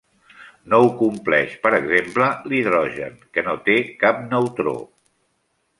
No ho compleix, per exemple, l'hidrogen, que no té cap neutró.